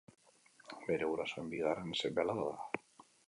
Bere gurasoen bigarren seme-alaba da.